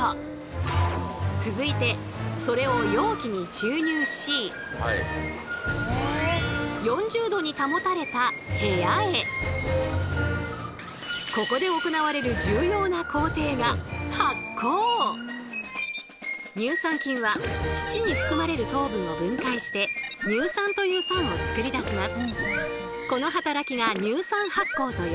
ちなみにこれを続いてここで行われる重要な工程が乳酸菌は乳に含まれる糖分を分解して乳酸という酸を作り出します。